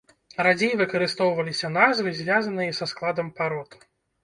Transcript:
Радзей выкарыстоўваліся назвы, звязаныя са складам парод.